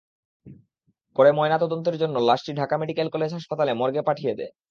পরে ময়নাতদন্তের জন্য লাশটি ঢাকা মেডিকেল কলেজ হাসপাতাল মর্গে পাঠিয়ে দেয়।